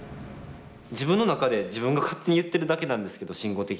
自分の中で自分が勝手に言ってるだけなんですけど慎吾的には。